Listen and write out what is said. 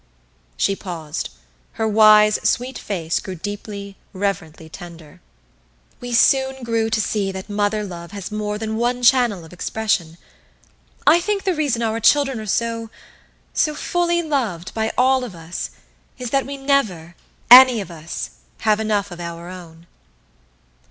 She paused. Her wise sweet face grew deeply, reverently tender. "We soon grew to see that mother love has more than one channel of expression. I think the reason our children are so so fully loved, by all of us, is that we never any of us have enough of our own."